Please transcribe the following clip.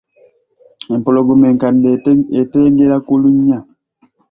Empologoma enkadde eteegera ku lunnya.